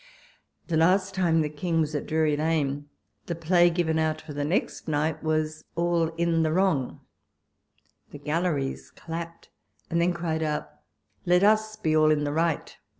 The last time the King was at Drury lane, the play given out for the next night was " All in the Wrong ": the galleries clapped, and then cried out, " Let vs be all in the right